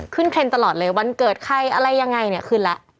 เทรนด์ตลอดเลยวันเกิดใครอะไรยังไงเนี่ยขึ้นแล้ว